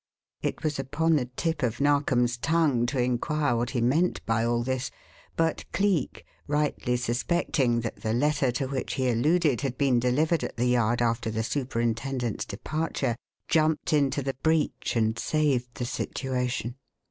It was upon the tip of Narkom's tongue to inquire what he meant by all this; but Cleek, rightly suspecting that the letter to which he alluded had been delivered at the Yard after the superintendent's departure, jumped into the breach and saved the situation.